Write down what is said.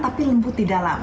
tapi lembut di dalam